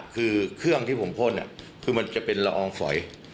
คือเครื่องที่ผมพ่นคือมันจะเป็นละอองฝอย